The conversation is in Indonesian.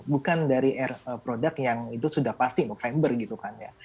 bukan dari air product yang itu sudah pasti november gitu kan ya